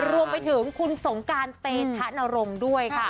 รวมไปถึงคุณสงการเตธนรงค์ด้วยค่ะ